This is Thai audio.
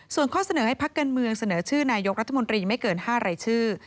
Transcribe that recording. ส่วนข้อเสนอให้พักการเมืองเสนอชื่อนายกรัฐมนตรีไม่เกิน๕รายชื่อ